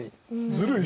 ずるい？